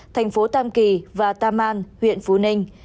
thành phố tam kỳ và tam man huyện phú ninh